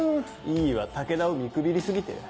井伊は武田を見くびり過ぎてる。